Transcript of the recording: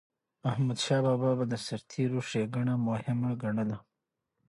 احمدشاه بابا به د سرتيرو ښيګڼه مهمه ګڼله.